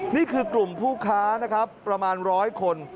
นี่คือกลุ่มผู้ค้าประมาณ๑๐๐คน